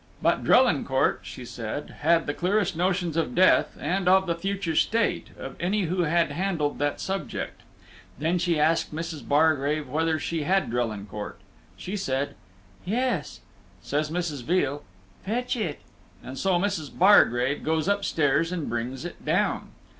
But Drelincourt, she said, had the clearest notions of death and of the future state of any who had handled that subject. Then she asked Mrs. Bargrave whether she had Drelincourt. She said, "Yes." Says Mrs. Veal, "Fetch it." And so Mrs. Bargrave goes up stairs and brings it down.